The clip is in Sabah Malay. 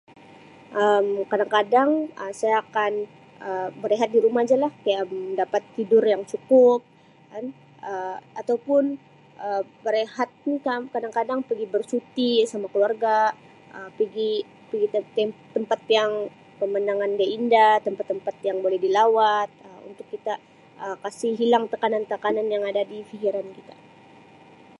Um Kadang-kadang Um saya akan Um berehat di rumah ja lah [unintelligible] dapat tidur yang cukup dan Um ataupun Um berehat pun kadang-kadang pigi bercuti sama keluarga Um pigi pigi tem-tem tempat pemandangan dia indah tempat-tempat yang boleh dilawat Um untuk kita Um kasi hilang tekanan-tekanan yang ada difikiran kita.